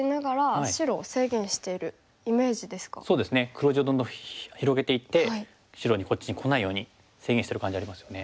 黒地をどんどん広げていって白にこっちにこないように制限してる感じありますよね。